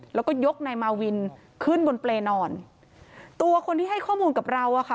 แล้วก็ยกนายมาวินขึ้นบนเปรย์นอนตัวคนที่ให้ข้อมูลกับเราอ่ะค่ะ